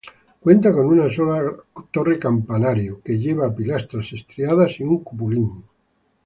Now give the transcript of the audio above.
Cuenta con una sola torre campanario, el cual lleva pilastras estriadas y un cupulín.